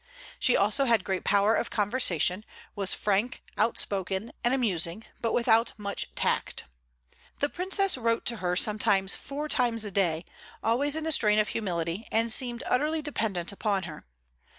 She also had great power of conversation, was frank, outspoken, and amusing, but without much tact. The Princess wrote to her sometimes four times a day, always in the strain of humility, and seemed utterly dependent upon her.